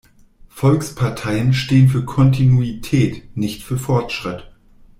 Volksparteien stehen für Kontinuität, nicht für Fortschritt.